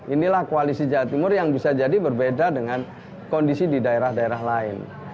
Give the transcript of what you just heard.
inilah koalisi jawa timur yang bisa jadi berbeda dengan kondisi di daerah daerah lain